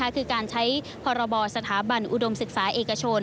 คือการใช้พรบสถาบันอุดมศึกษาเอกชน